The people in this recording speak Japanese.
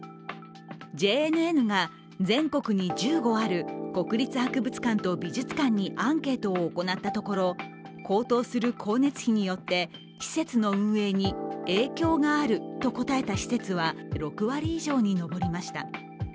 ＪＮＮが全国に１５ある国立博物館と美術館にアンケートを行ったところ高騰する光熱費によって施設の運営に影響があると答えた施設は６割以上に上りました。